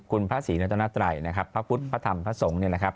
คุณพระศรีรัตนาไตรนะครับพระพุทธพระธรรมพระสงฆ์เนี่ยนะครับ